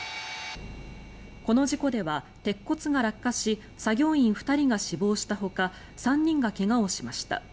この事故では鉄骨が落下し作業員２人が死亡したほか３人が怪我をしました。